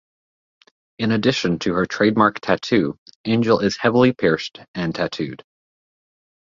In addition to her trademark tattoo, Angel is heavily pierced and tattooed.